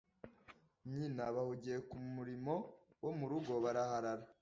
nyina bahugiye kumurimo wo murugo baraharara